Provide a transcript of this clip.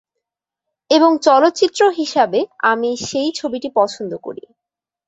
এবং চলচ্চিত্র হিসাবে আমি সেই ছবিটি পছন্দ করি।